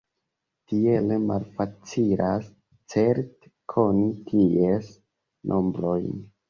Tiele malfacilas certe koni ties nombrojn.